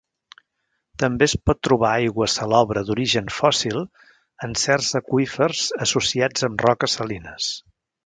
També es pot trobar aigua salobre d'origen fòssil en certs aqüífers associats amb roques salines.